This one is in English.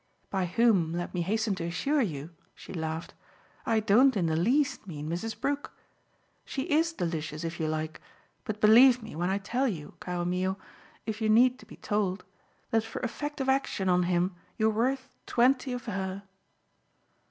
By whom, let me hasten to assure you," she laughed, "I don't in the least mean Mrs. Brook! She IS delicious if you like, but believe me when I tell you, caro mio if you need to be told that for effective action on him you're worth twenty of her."